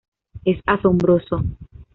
Es asombroso"".